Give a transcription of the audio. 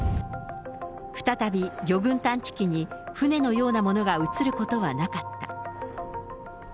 再び、魚群探知機に船のようなものが映ることはなかった。